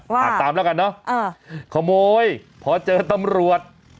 อ่านตามแล้วกันเนอะขโมยพอเจอตำรวจ